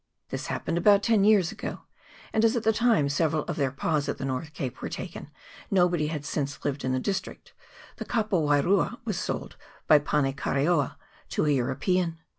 This happened about ten years ago ; and as at the same time several of their pas at the North Cape were taken, nobody has since lived in the district, and Kapo wairua was sold by Pane Kareao to an European.